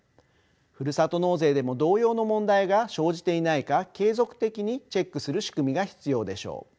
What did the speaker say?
ふるさと納税でも同様の問題が生じていないか継続的にチェックする仕組みが必要でしょう。